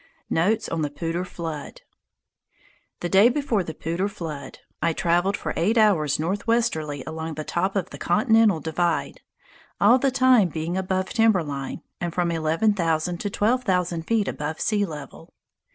NOTES ON THE POUDRE FLOOD The day before the Poudre flood, I traveled for eight hours northwesterly along the top of the Continental Divide, all the time being above timber line and from eleven thousand to twelve thousand feet above sea level.